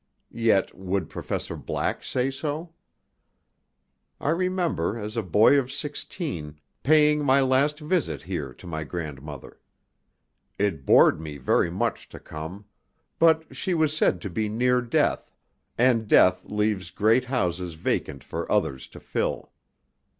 Yet would Professor Black say so? I remember, as a boy of sixteen, paying my last visit here to my grandmother. It bored me very much to come. But she was said to be near death, and death leaves great houses vacant for others to fill.